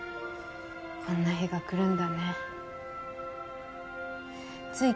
こんな日が来るんだねつい